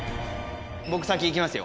僕先いきますよ